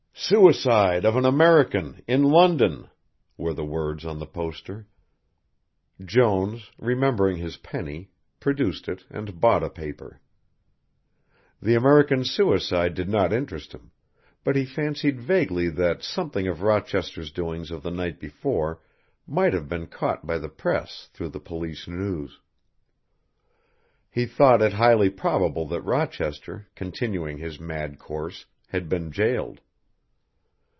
"Suicide of an American in London!" were the words on the poster. Jones, remembering his penny, produced it and bought a paper. The American's suicide did not interest him, but he fancied vaguely that something of Rochester's doings of the night before might have been caught by the Press through the Police news. He thought it highly probable that Rochester, continuing his mad course, had been gaoled.